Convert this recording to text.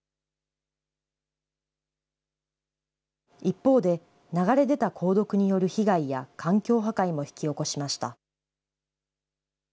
一方で、流れ出た鉱毒による被害や環境破壊も引き起こしました。